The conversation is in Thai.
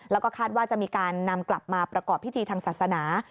แล้วก็คาดว่าจะมีการนำกลับมาประกอบพิธีทางศาสนา